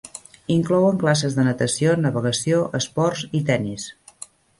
Inclouen classes de natació, navegació, esports i tennis.